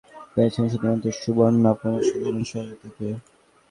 পুরো ব্যাপারটি সামলে নিতে পেরেছি শুধুমাত্র সুবর্ণা আপার অসাধারণ সহযোগিতা পেয়ে।